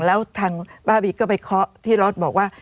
แล้วทางบ้าบีก็ไปเคาะที่รถบอกว่า